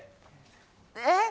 えっ？